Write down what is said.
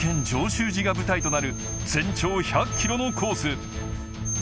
上州路が舞台となる、全長１００ｋｍのコース。